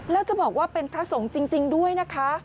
แล้วจะบอกว่าเป็นพระสงฆ์จริงด้วยนะคะ